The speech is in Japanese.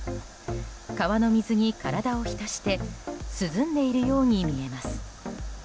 川の水に体を浸して涼んでいるように見えます。